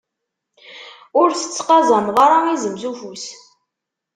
Ur tettqazameḍ ara izem s ufus.